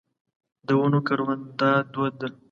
د ونو کرونده دود ده.